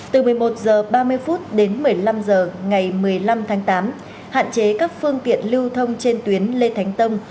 từ một mươi một h ba mươi đến một mươi năm h ngày một mươi năm tháng tám hạn chế các phương tiện lưu thông trên tuyến lê thánh tông